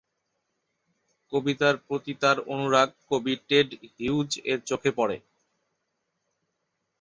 কবিতার প্রতি তার অনুরাগ কবি টেড হিউজ এর চোখে পড়ে।